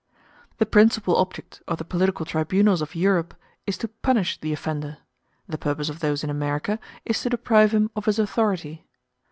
The principal object of the political tribunals of Europe is to punish the offender; the purpose of those in America is to deprive him of his authority.